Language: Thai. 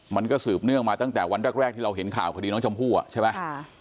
มันก็สืบเนื่องมาตั้งแต่วันแรกที่เราเห็นข่าวคดีน้องชมพู่ใช่ไหม